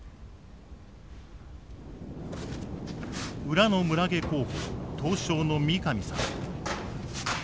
裏の村下候補刀匠の三上さん。